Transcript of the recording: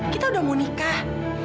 kita udah mau nikah